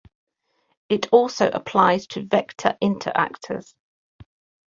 It also applies to vector interactors.